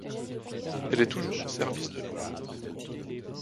Elle est toujours en service de nos jours.